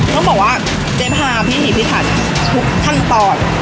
ต้องบอกว่าเจ๊พาพิถีพิถันทุกขั้นตอน